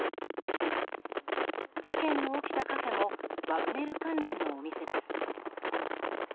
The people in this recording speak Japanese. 事件の起きたカフェもワグネル関連のお店です。